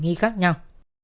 nhi khắc nhau